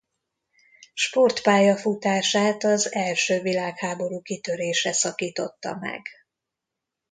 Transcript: Sportpályafutását az első világháború kitörése szakította meg.